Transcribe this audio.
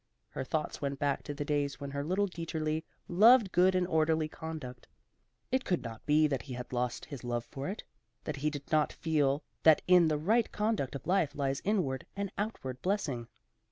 Her thoughts went back to the days when her little Dieterli loved good and orderly conduct; it could not be that he had lost his love for it, that he did not still feel that in the right conduct of life lies inward and outward blessing.